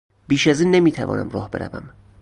بیش از این نمیتوانم راه بروم.